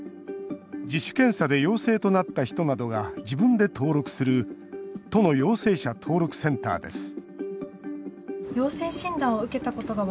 自主検査で陽性となった人などが自分で登録する都の陽性者登録センターです